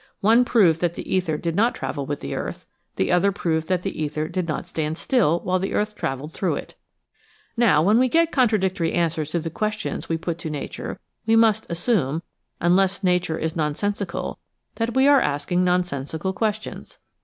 Ohe proved that the ether did not travel with the earth. The other proved that the ether did not stand still while the earth traveled through it. Now when we get contradictory answers to the ques tions we put to Nature we must assume — unless Nature is nonsensical — that we are asking nonsensical questions.